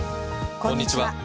こんにちは。